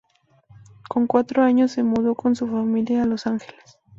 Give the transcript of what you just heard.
Con cuatro años se mudó con su familia a Los Ángeles.